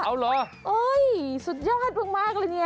เอาเหรอสุดยอดมากเลยเนี่ย